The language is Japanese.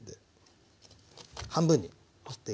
半分に切っていきます。